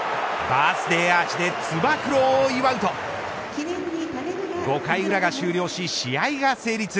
バースデーアーチでつば九郎を祝うと５回裏が終了し試合が成立。